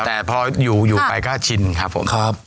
แต่พออยู่อยู่ไปก็ชินครับผม